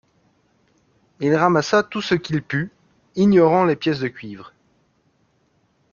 Il ramassa tout ce qu’il put, ignorant les pièces de cuivre